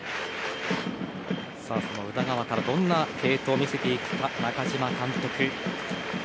宇田川からどんな継投を見せていくのか、中嶋監督。